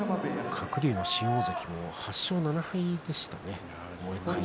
鶴竜の新大関も８勝７敗でしたね。